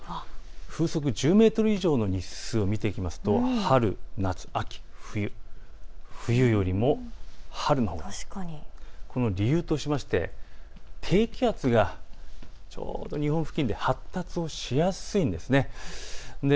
風速１０メートル以上の日数を見ていきますと春、夏、秋、冬よりも春のほうがこの理由としまして低気圧がちょうど日本付近で発達をしやすいんです。